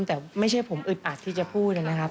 แต่ไม่ใช่ผมอึดอัดที่จะพูดนะครับ